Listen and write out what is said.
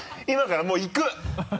今からもういく！